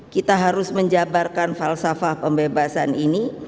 kita harus menjabarkan falsafah pembebasan ini